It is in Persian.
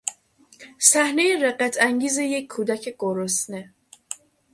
صحنهی رقت انگیز یک کودک گرسنه